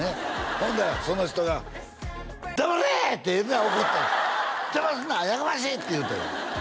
ほんならその人が「黙れ！」ってえらい怒ったって「邪魔すんなやかましい！」って言うたんよ